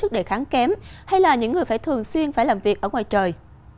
để kháng kém hay là những người phải thường xuyên phải làm việc ở ngoài trời